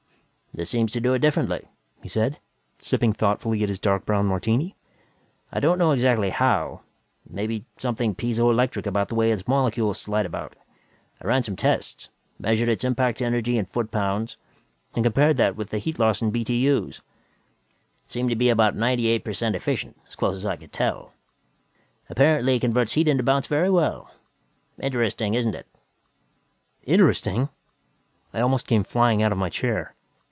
"This seems to do it differently," he said, sipping thoughtfully at his dark brown martini. "I don't know exactly how maybe something piezo electric about the way its molecules slide about. I ran some tests measured its impact energy in foot pounds and compared that with the heat loss in BTUs. Seemed to be about 98 per cent efficient, as close as I could tell. Apparently it converts heat into bounce very well. Interesting, isn't it?" "Interesting?" I almost came flying out of my chair.